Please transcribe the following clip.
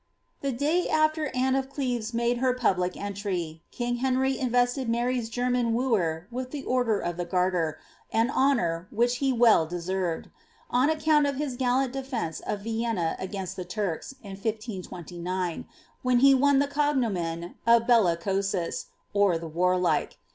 The day af\er Anne of Cleves made her public entry, king Henry invested Mary's German wooer with the order of the Garter,' an honour which he well deserved ; on account of his gallant defence of Vienna against the Turks, in 1529, when he won the cognomen of Bellicosus, or the Warlike.